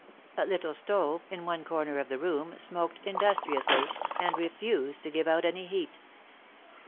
A little stove, in one corner of the room, smoked industriously and refused to give out any heat.